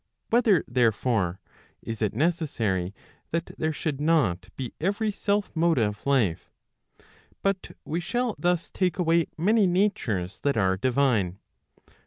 Whether therefore, is it necessary that there should not be every self motive life P But we shall thus take away many natures that are divine.